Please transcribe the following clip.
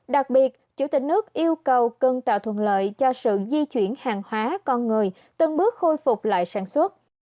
đặc biệt chủ tịch nước yêu cầu cần tạo thuận lợi cho sự di chuyển hàng hóa con người từng bước khôi phục lại sản xuất